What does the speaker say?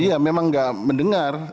iya memang tidak mendengar